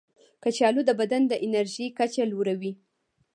کچالو د بدن د انرژي کچه لوړوي.